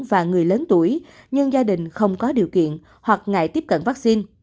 và người lớn tuổi nhưng gia đình không có điều kiện hoặc ngại tiếp cận vaccine